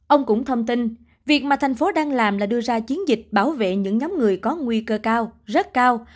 ông cũng thông tin việc mà thành phố đang làm là đưa ra chiến dịch bảo vệ những nhóm người có nguy cơ cao rất cao